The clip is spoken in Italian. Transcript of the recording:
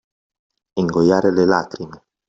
Ingoiare le lacrime.